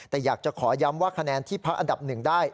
แต่อยากจะขอย้ำว่าคะแนนที่พักอันดับหนึ่งได้